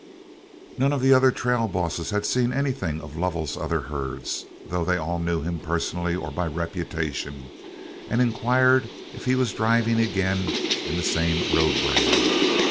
None of the other trail bosses had seen anything of Lovell's other herds, though they all knew him personally or by reputation, and inquired if he was driving again in the same road brand.